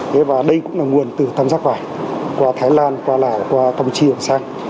đây cũng là nguồn từ tâm giác vải qua thái lan qua lào qua tâm chiêng sang